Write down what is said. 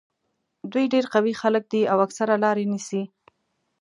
دوی ډېر قوي خلک دي او اکثره لارې نیسي.